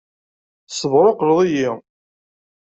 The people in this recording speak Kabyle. Tessebṛuqleḍ-iyi!